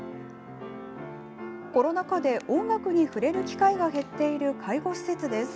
コロナ禍で音楽に触れる機会が減っている介護施設です。